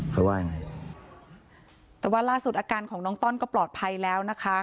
เขาว่ายังไงแต่ว่าล่าสุดอาการของน้องต้อนก็ปลอดภัยแล้วนะคะ